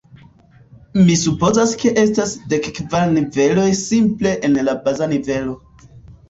Mi supozas ke estas dek kvar niveloj simple en la baza nivelo.